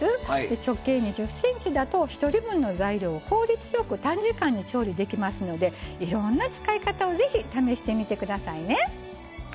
直径２０ｃｍだと１人分の材料を効率よく短時間に調理できますのでいろんな使い方をぜひ試してみてくださいね。